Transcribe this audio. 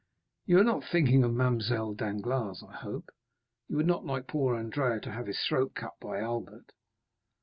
"You are not thinking of Mademoiselle Danglars, I hope; you would not like poor Andrea to have his throat cut by Albert?"